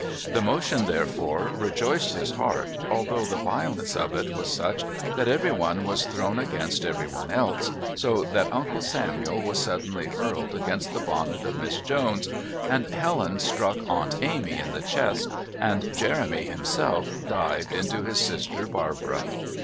The motion, therefore, rejoiced his heart, although the violence of it was such that everyone was thrown against everyone else, so that Uncle Samuel was suddenly hurled against the bonnet of Miss Jones, and Helen struck Aunt Amy in the chest, and Jeremy himself dived into his sister Barbara.